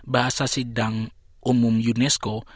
bahasa sidang umum unesco